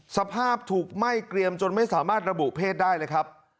สภาพถูกไหม้เกรียมจนไม่สามารถระบุเพศได้เลยครับ